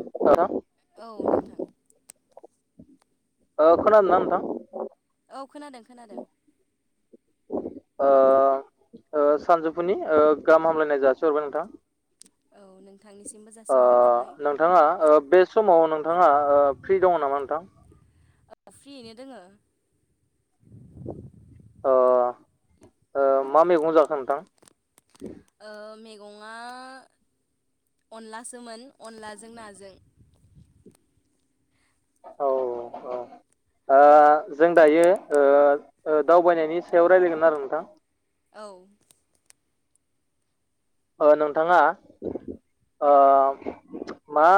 नोंथां औ नोंथां खोनादोना नोंथां औ खोनादों खोनादों। सानजौफुनि गाहाम हामलायनाय जासिहरबाय नोंथां। औ नों नोंथाङा बे समाव नोंथाङा फ्रि दङ नामा नोंथां? फ्रियैनो दोङो। अ मा मैगं जाखो नोंथां। आ मेग गंङा अनलासोमोन अनलाजों नाजों औ औ। जों दायो दावबायनायनि सायाव रायज्लायगोन आरो नोंथां। औ नोंथाङा मा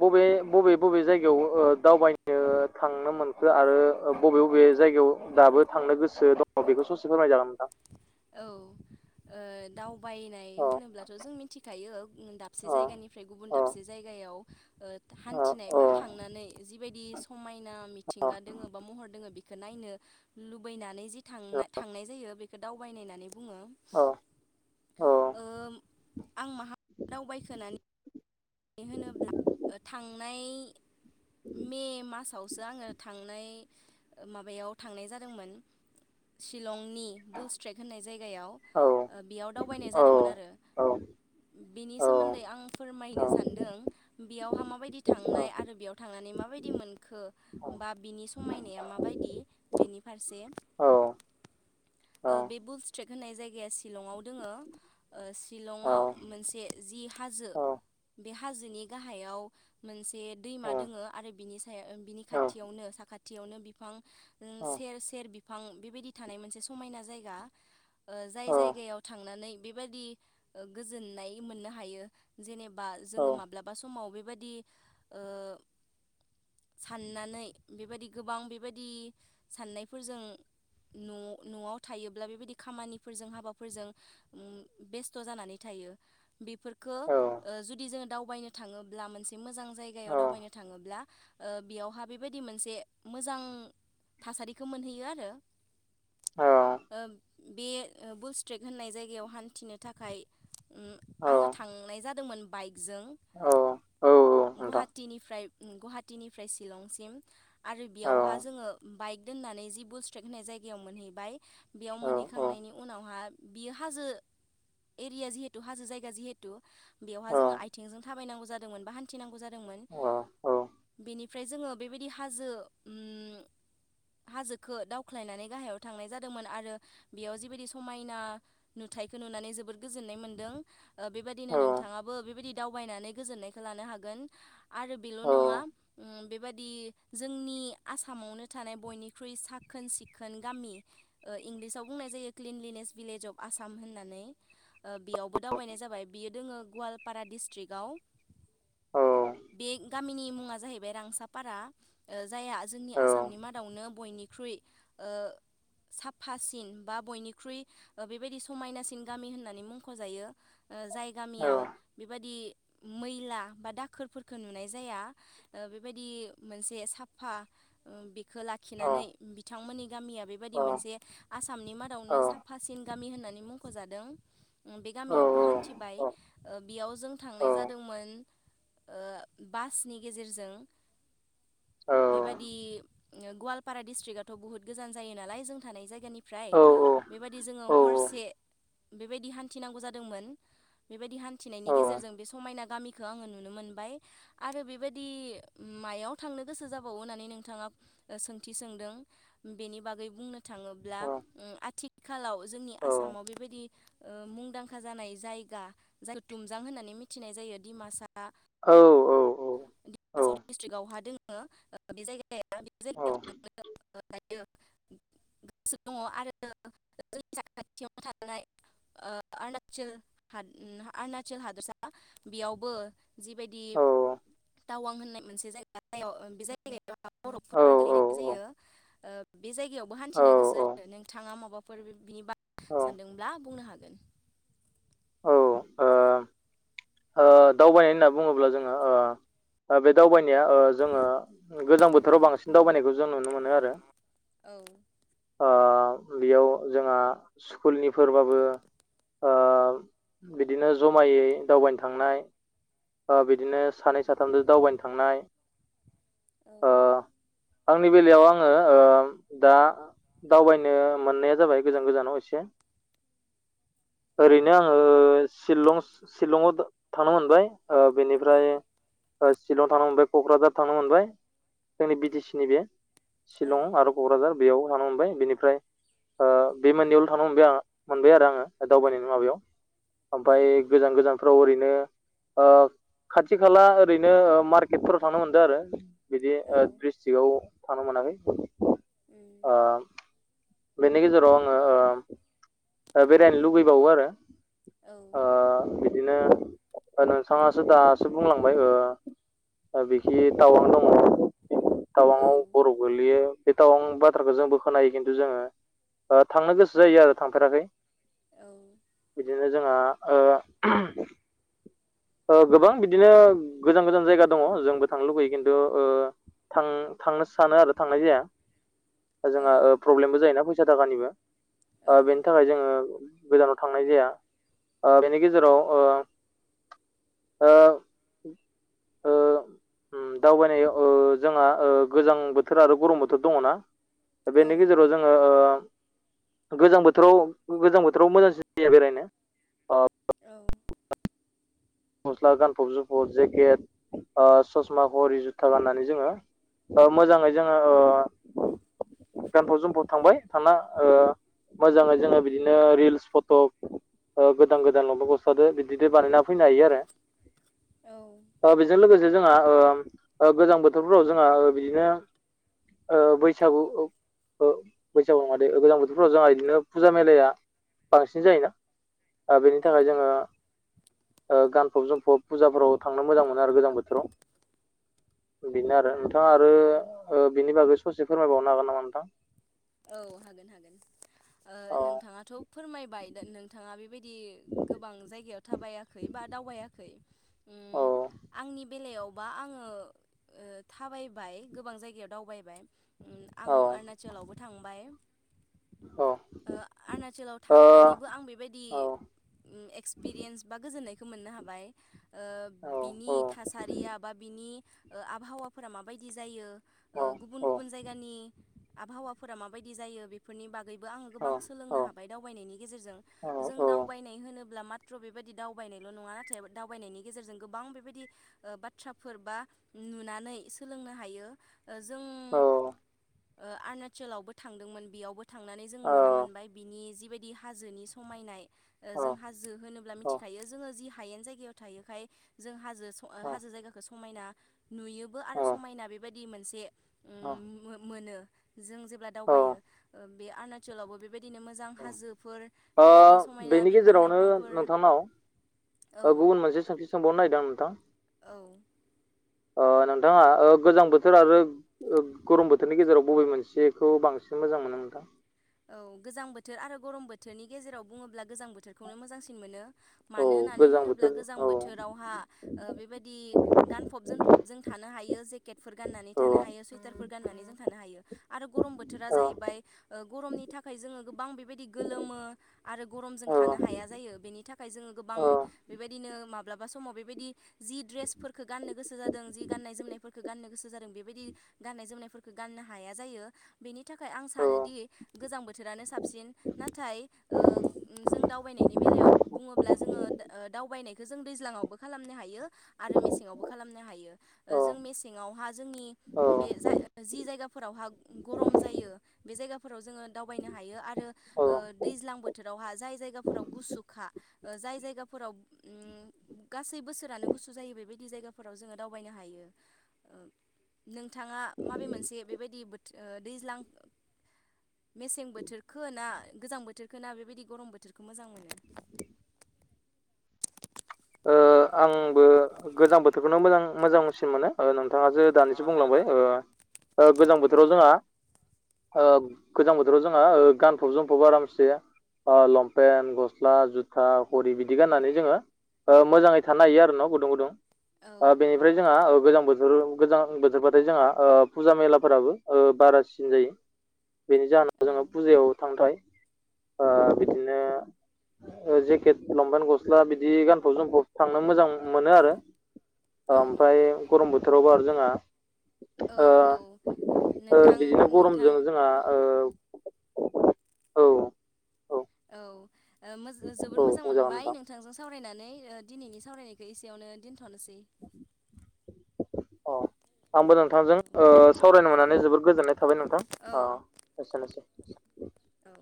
बबे बबे बबे जायगायाव दावबायनो। थांनो मोनखो आरो बबे बबे जायगायाव दाबो थांनो गोसो दङ बेखौ ससे फोरमायजागोन। नोंथां। औ दावबायनाय अ होनोब्लाथ' जों मिथिखायो दाबसे अ जायगानिफ्राय गुबुन औ दाबसे जायगानि हान्थिनाय औ बा औ थांनानै जिबायदि समाय मिथिंगा दोङो बा महर दोङ बेखो नायनो लुबैनानै जि था थांनाय जायो। नायनायनानै बुङो। ओ आं माहा दावबायसोनानै। मानो होनोब्ला थांनाय। मे मासावसो आङो थांनाय माबायाव थांनाय जादोंमोन। शिलंनि बुल स्ट्रेक होननाय जायगायाव। बेयाव दावबायनाय औ जादोंमोन आरो बेनि सोमोन्दै आं फोरमायनो सा बेयावहा माबायदि थांनाय आरो बेयाव थांनानै मा बायदि मोनखो बा बिनि समायनाया माबायदि बेनि फारसे औ बे बुल स्ट्रेट होननाय जायगाया शिलंआव दोङो शिलंआव मोनसे जि हाजो बे हाजोनि गाहायाव मोनसे दैमा दोङो आरो बिनि सायाव बिनि खाथियावनो सा खाथियावनो बिफां औ सेर सेर बिफां बेबायदि थानाय मोनसे समायना जायगा जाय जायगायाव थांनानै बेबायादि गोजोननाय मोननो हायो जेनेबा बा जोङो माब्लाबा समाव बेबायदि ओ साननानै बेबायदि गोबां बेबायदि साननायफोरजों। न' न'आव थायोब्ला बेबायदि खामानिफोरजों हाबाफोरजों उम बेस्थ' जानानै था यो बेफोरखो। ओ जुदि जोङो दावबायनो थाङोब्ला मोनसे मोजां जायगायाव दावबायनो थाङोब्ला। ओ बेयावहा बेबायदि मोनसे मोजां थासारिखो मोनहैयो आरो। ओ बे ओ बुलस्ट्रेक होननाय जायगायाव हान्थिनो थाखाय। उम आङो थांनाय जादोंमोन बाइकजों। औ औ औ। गहाटिनिफ्राय उम गुवाहाटिनिफ्राय चिलंसिम आरो बेयावहा जोङो बाइक दोननान नै जि बुष्ट्रेक होननाय जायगायाव मोनहैबाय बेयाव मोनहैखांनायनि उनावहा बियो हाजो। एरिया जिहेथु हाजो जायगा जिहेथु। बेवहा जोङो आयथिंजों थाबायनांगौ जादोंमोन बा हान्थिनांगौ जादोंमोन। बेनिफ्राय जोङो बेबायदि हाजो उम। हाजोखो दावख्लायनानै गाहायाव थांनाय जादोंमोन आरो बेयाव जिबायदि समायना नुथ थाइखो नुनानै जोबोद गोजोन्नाय मोनदों ओ बेबायदिनो नों बेबायदि दाउबायनानै गोजोननायखो लानोहागोन आरो बेल नंङा उम बेबादि ज जोंनि आसामावनो थानाय बयनिख्रुइ साखोन सिखोन गामि ओ इंलिसाव बुंनाय जायो जो a cleanliness village of Assam होननानै ओ बेयावबो दावबायनाय जाबाय बियो दोङो गुवालपारा डिस्ट्रिक्टआव। औ। बि गामिनि मुङा जाहैबाय रांसाफारा ओ जायहा जोंनि आसामनि मादावनो बयनिख्रु ख्रुय ओ साफासिन बा बयनिख्रुइ ओ बेबायदि समायनासिन गामि होननानै मुंख'जायो। ओ जाय गामियाव। बेबायदि मैला बा दाखोरफोरखो नुनाय जाया ओ बेबायदि मोनसे सा साफा उम बेख खो लाखिनानै बिथांमोननि गामिया बेबादि मोनसे आसामनि मादावनो साफासिन गामि होननानै मुंख'जादों उम बे गामियावबो हान्थिबाय। ओ बेयाव जों थांनाय जादोंमोन। ओ बासनि गेजेरजों। बेबादि ओ गुवालपारा डिस्ट्रिकआथ' बुहुथ गोजान जायो नालाय जों थानाय जायगानिफ फ्राय बेबायदि जोङो हरसे बेबायदि हान्थिनांगौ जादोंमोन बिफ बादि हानथिनायनि गेजेरजों बे समायना गामिखो आंङो नुनो मोनबाय आरो बिबादि उम माइ मायाव थांनो गोसो जाबावो होननानै नोंथाङा सोंथि सोंदों बेनि बागै बुंनो थाङोब्ला औ बा उम आथिखालाव जोंनि औ आसामाव बेबायदि ओम मुंदांखा जानाय जायगा। जाय थुमजां होननानै मिथिनाय जायो दिमासा औ औ औ। दिमासाव डिस्ट्रिक्आवहा दोङो बे जायगाया जायायाव थ [inaudible] [unintelligible] उम अरुणनाचल हादोरसा बेयावबो जिबायदि टावां होननाय मोनसे जायगायाव बे जाय जायगायाव बरफफोर गोलैनाय जायो‌। ओ बे जायगायावबो औ हान्थिनो गोसो औ आरो नोंथाङा माबाफोर बिनि सानदोंब्ला बुंनो हागोन। ओ ओ दावबायनाय होनना बुङोब्ला जोङो ओ ओ बे दावबायनाया ओ जोङो गोजां बोथोराव बांसिन दावबायनायखौ जों नुनो मोनो आरो औ ओ बेयाव जोंहा स्कुलनिफोरबाबो। ओ बिदिनो जमायै दावबायनो थांनाय। ओ बिदिनो सानै साथामदो दावबायनो थांनाय। औ ओ आंनि बेलायाव आङो ओम दा दावबायनो मोननाया जाबाय गोजान गोजानाव एसे। ओरैनो आङो सिलं सिलङाव थांनो मोनबाय ओ औ बेनिफ्राय ओ शिलंआव थांनो मोनबाय क'क्राझार थांनो मोनबाय जोंनि बि टि सि निनो औ सिलं आरो क'क्राझार। बेयाव थांनो मोनबाय बेनिफ्राय ओ बे मोननैयावल' थांनो मोनबाय आं मोनबाय आरो आङो दावबायनायनि माबायाव। ओमफ्राय गोजान गोजानफ्राव ओरैनो ओ खाथि खाला ओरैनो मार्केटफोराव थांनो मोनदो आरो। बिदि औ डिस्ट्रिकआव थांनो मोनाखै। बेनि गेजेराव आङो ओ बेरायनो लुबैबावो आरो। ओ औ बिदिनो नोंथाङासो दासो बुंलांबाय ओ बिखि टावां दङ। टावाङाव बर औ गोग्लैयो। बे टावां बाथ्राखौ जोंबो खोनायो खिन्थु जोङो थांनो गोसो जायो आरो थांफेराखै। औ बिदिनो जोंहा ओ ओ गोबां बिदिनो गोजान गोजान जायगा दङ जोंबो थांनो लुबैयो खिन्थु ओ थां थांनो सानो आरो थांनाय जाया। औ जोंहा ओ प्रब्लेमबो जायोना फैसा थाखानिबो बेनि थाखाय जोङो गोजानाव थांनाय जाया ओ बेनि गेजेराव ओ ओ ओ उम दावबायनायाव ओ जोङो ओ गोजां बोथोर आरो गरम बोथोर दङना? दा बेनि गेजेराव जोङो ओ गोजां बोथोराव गोजां बोथोराव मोजांसिन जायो बेरायनो। अ। गस्ला गानफब जोमफब जेकेट ससमा घरि जुथा गाननानै जोङो मोजाङै जोङो ओ गानफब जोमफब थांबाय थांना ओ मोजाङै जोङो बिदिनो रिल्स फट' गोदान गोदान लंपेन गस्लादो बिदिनो बानायना फै फैनो हायो आरो औ ओ बेजों लोगोसे जों आ ओ गोजां बोथोरफोराव जोंहा ओ बिदिनो ओ बैसागु ओ बैसागु नङादे गोजां बोथोरफ्राव जोंहा बिदिनो फुजा मेलाया बांसिन जायोना? बेनि थाखाय जोङो औ गानफब जोमफब फुजाफोराव थांनो मोजां मोनो आरो गोजां बोथोराव। बेनो आरो औ नोंथाङा आरो बिनि बागै ससे फोरमायबावनो हागोन नामा नोंथां? औ हागोन हागोन औ नोंथाङाथ' फोरमायबाय नोंथाङा बेबायदि। बिदि गोबां जायगायाव थाबायाखै बा दावबायाखै।। उम औ आंनि बेलायावबा आङो थाबायबाय गोबां जायगायाव दावबायबाय आं औ अरुणाचलावबो थांबाय। औ। ओ अरुणचलाव थांनानैबो आं बेबायदि औ एक्सपिरियेन्स बा गोजोननाय बेखौ मोननो हाबाय ओ औ बिनि थासारिया बा बिनि ओ आबहावाफोरा माबायदि जायो ओ औ गुबुन औ गुबुन जायगानि आबहावा फोरा माबायदि जायो बेफोरनि बाग गैबो आङो औ गोबां औ सोलोंनो हाबाय दावबायनायनि गेजेरजों औ जों दावबायनाय होनोब्ला मा मात्र' बेबायदि दावबायनायल' नङा थेबो दावबायनायनि गेजेरजों गोबां बेबायदि ओ बाथ्राफोर बा। नुनानै सोलोंनो हायो ओ जों। औ। ओ आरणाचलावबो थांदोंमोन बेयावबो। थांनानै जों नुनो मोनबाय बिनि जिबायदि हाजोनि समायनाय जों हाजो होनोब्ला मिथिखायो। खायो जोङो जि हायेन जायगायाव थायोखाय जों हाजो-हाजो जायगाखौ समायना। नुयोबो आरो समायना बेबायदि मोनसे ओ औ मो-मोनो। जों जेब्ला दावबायो ओ बे आरणाचलावबो बे। बेबायदिनो मोजां हाजोफोर ओ बेबायदि समायना बेनि गेजेरावनो बिफां-लाइफांफोर। नोंथांनाव गुबुन मोनसे सोंथि सोंबावनो नागिरदों आं नोंथां। औ। अ नोंथाङा ओ गोजां बोथोर आरो ओ-ओ गरम बोथोरनि गेजेराव बबे मोनसेखौ बां। सिन मोजां मोनो नोंथां? औ गोजां बोथोर आरो गरम बोथोरनि गेजेराव बुङोब्ला गोजां बोथोरखौनो मोजांसिन मोनो। औ मानो होननानै गोजां होनोब्ला बोथोर गोजां औ बोथोरावहा ओ बेबायदि गानफब-जोमफब जों थानो हायो। यो जेकेटफोर गाननानै औ थानो हायो सुवाइटारफोर। गाननानै जों थानो हायो आरो गरम बोथोरा औ जाहैबाय ओ। गरमनि थाखाय जोङो गोबां बेबायदि गोलोमो आरो गरमजों औ थानो हाया जायो बेनि थाखाय जोङो गोबां। औ बां बेबायदिनो माब्लाबा समाव बेबायदि जि ड्रेसफोरखौ गाननो गोसो जादों जि गाननाय-जोमनायफोर। खौ गाननो गोसो जादों बेबायदि गाननाय-जोमनायफोरखौ गाननो हाया जायो बेनि थाखाय आं औ सानोदि। गोजां बोथोरानो साबसिन नाथाय ओ जों दावबायनायनि बेलायाव बुङोब्ला जों। ओ दावबायनायखौ जों दैज्लाङावबो खालामनो हायो। आरो मेसेङावबो खालामनो हायो औ जों मेसेङावहा जोंनि औ ओ बे जा जि जायगा। फोरावहा गरम जायो बे जायगा। जोङो दावबायनो हायो आरो औ ओ दैज्लां बोथोरावहा जाय जायगाफोराव गुसुखा। जाय जायगाफोराव ओम गासै बोसोरानो गुसु जायो बेबायदि जायगाफोराव जोङो दावबायनो हायो। [inaudible] नोंथाङा माबे मोनसे बेबायदि बोथोर दैज्लां? मेसें बोथोरखो ना गोजां बोथोरखो ना बेबायदि गरम बोथोरखौ मोजां मोनो? [inaudible] ओ आंबो गोजां बोथोरखौनो मोजां-मोजांसिन मोनो ओ नों। थाङासो दानिसो नोंथाङासो बुंलांबाय दानि ओ गोजां बोथोराव जोंहा। ओ गोजां बोथोराव जोंहा ओ गानफब-जोमफब आरामसे। ओ लंपेन्ट, गस्ला, जुथा, घरि बिदि गाननानै जोङो। ओ मोजाङै थानो हायो आरो न'? गुदुं-गुदुं औ ओ औ बेनिफ्राय जोंहा ओ गोजां बोथोर। गोजां बोथोरबाथाय जोंहा ओ फुजा मेलाफोराबो ओ बारासिन जायो। बेनि जाहोनाव औ जोङो फुजायाव थांनो थाखाय। ओ बिदिनो जेकेट, लंपेन्ट, गस्ला बिदि गान। फब जोमफब थांनो मोजां मोनो आरो औ ओमफ्राय गरम बोथोरावबो आरो जोंहा। औ औ ओ नोंथां बिदिनो नोंथां गरमजों जोंहा ओ। औ। औ ओ मोजा जोबोर औ मोजां बुंजागोन मोनबाय नोंथां नोंथांजों सावरायनानै। ओ दिनैनि सावरायनायखौ एसेयावनो दोनथ'नोसै। अ। आंबो औ नोंथांजों ओ जों सावरायनो मोननानै जोबोर गोजोननाय थाबाय नोंथां ओ अ एसेनोसै। औ।